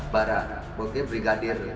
para bote brigadir